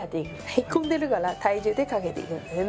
へこんでるから体重でかけていくんですよね。